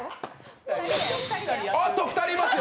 あっと、２人いますよ。